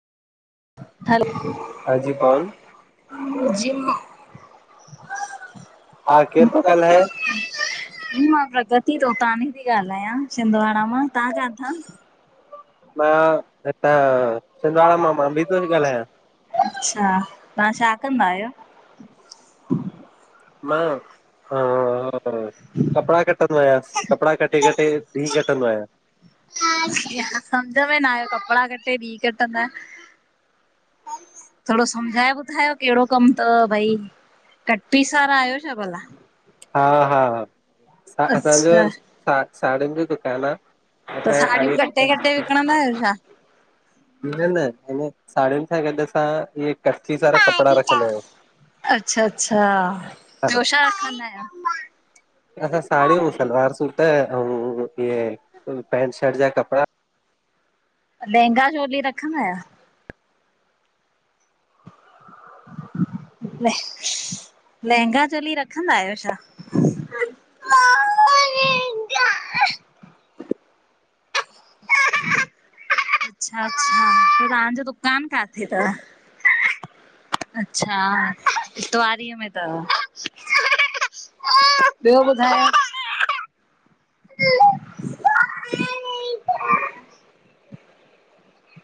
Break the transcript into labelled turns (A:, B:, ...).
A: हा जी कौन
B: [unintelligible] जीम [unintelligible]
A: हा केर थो ॻाल्हाए
B: मां प्रगति तोतानी थी ॻाल्हायां छिंंदवाड़ा मां, तव्हां काथां?
A: मां हितां छिंदवाड़ा मां, मां भी थो ॻाल्हायां।
B: अच्छा! तव्हां छा कंदा आहियो?
A: मां अ कपिड़ा कटंदो आहियां कपिड़ा कटे कटे [unintelligible] कटंदो आहियां
B: समझ में न आयो कपड़ा कटे धी कटनंदा थोरो समझाए ॿुधायो कहिड़ो कम तव भाई। कटपीस वारा आयो छा भला?
A: हा हा असांजो
B: अच्छा
A: साड़ियुनि जो दुकानु आ।
B: त
A: असां
B: साड़ियूं
A: जे
B: कटे
A: [unintelligible]
B: [unintelligible]
A: न न हिन साड़ियुनि सां गॾु असां इअं
B: अच्छा अच्छा
A: हा
B: ॿियो छा रखंदा आयो?
A: असां साड़ियूं, सलवार सूट, अउ इहे पेंट शर्ट जा कपड़ा।
B: लहंगा चोली रखंदा आयो? लहंगा चोली रखंदा आहियो छा? अच्छा अच्छा त तव्हांजो दुकान काथे तव? अच्छा इतवारी में तव। ॿियो ॿुधायो? [unintelligible]